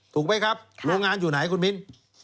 ถูกไหมครับโรงงานอยู่ไหนคุณมิ้น